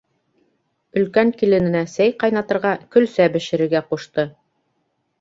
Өлкән килененә сәй ҡайнатырға, көлсә бешерергә ҡушты.